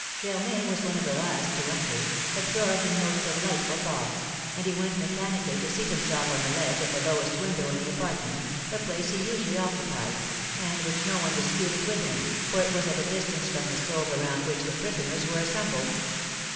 Germain was one of the last to enter, absorbed in most delightful thoughts, and he went mechanically to seat himself on the ledge at the lowest window in the apartment, a place he usually occupied, and which no one disputed with him, for it was at a distance from the stove around which the prisoners were assembled.